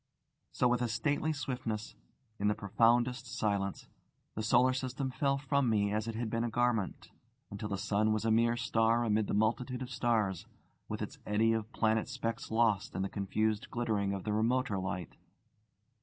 So with a stately swiftness, in the profoundest silence, the solar system fell from me as it had been a garment, until the sun was a mere star amid the multitude of stars, with its eddy of planet specks lost in the confused glittering of the remoter light.